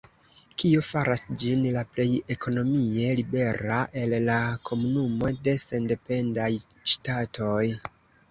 Kio faras ĝin la plej ekonomie libera el la Komunumo de Sendependaj Ŝtatoj.